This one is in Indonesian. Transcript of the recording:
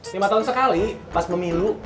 lima tahun sekali pas memilu